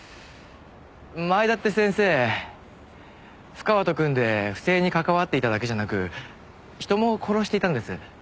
前田って先生布川と組んで不正に関わっていただけじゃなく人も殺していたんです。